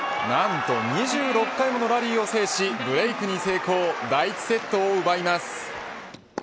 何と２６回ものラリーを制しブレークに成功第１セットを奪います。